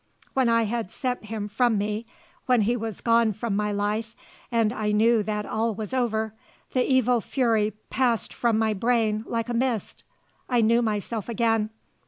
When I had sent him from me, when he was gone from my life, and I knew that all was over, the evil fury passed from my brain like a mist. I knew myself again.